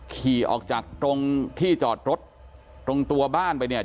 ขี่ออกจากตรงที่จอดรถตรงตัวบ้านไปเนี่ย